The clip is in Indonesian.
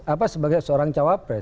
apalagi sebagai seorang jawab pres